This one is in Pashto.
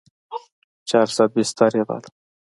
چارصد بستر يې باله.